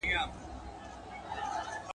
د لويي جرګې تاریخ څوک موږ ته بیانوي؟